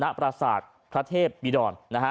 นปราศาสตร์คราเทพต์ปีนอน